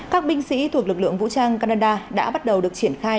các binh sĩ thuộc lực lượng vũ trang canada đã bắt đầu được triển khai